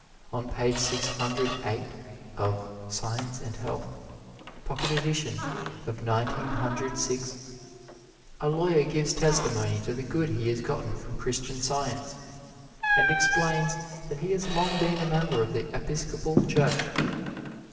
On page six hundred eight of "Science and Health," pocket edition of Nineteen Hundred Six, a lawyer gives testimony to the good he has gotten from Christian Science, and explains that he has long been a member of the Episcopal Church.